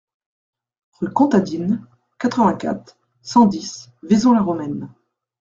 Rue Comtadine, quatre-vingt-quatre, cent dix Vaison-la-Romaine